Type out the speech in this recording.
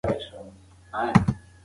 که ناروغ یاست هیڅ نشئ کولای.